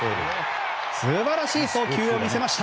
素晴らしい送球を見せました。